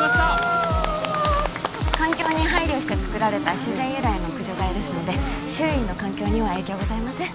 ああ環境に配慮して作られた自然由来の駆除剤ですので周囲の環境には影響ございません